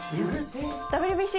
ＷＢＣ。